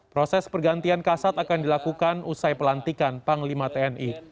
proses pergantian kasat akan dilakukan usai pelantikan panglima tni